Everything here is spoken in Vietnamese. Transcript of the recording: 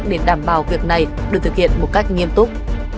để đảm bảo việc này được thực hiện một cách nghiêm túc